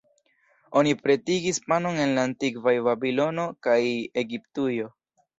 Oni pretigis panon en la antikvaj Babilono kaj Egiptujo.